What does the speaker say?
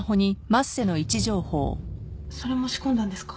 それも仕込んだんですか？